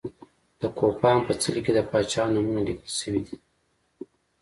د کوپان په څلي کې د پاچاهانو نومونه لیکل شوي دي.